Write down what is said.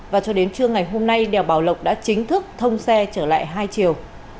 và cho đến trưa ngày hôm nay đèo bảo lộc đã chính thức thông xe trở lại hai chiều